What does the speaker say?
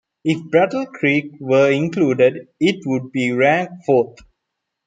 If Battle Creek were included, it would be ranked fourth.